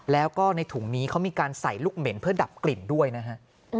แล้วก็ในถุงนี้เขามีการใส่ลูกเหม็นเพื่อดับกลิ่นด้วยนะฮะ